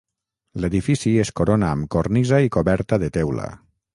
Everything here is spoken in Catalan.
L'edifici es corona amb cornisa i coberta de teula.